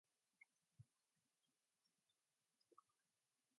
Males tend to be larger than females.